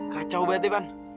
kacau banget ya pan